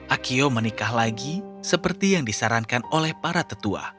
akio menikah lagi seperti yang disarankan oleh para tetua